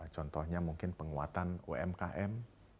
contohnya mungkin penguatan umkm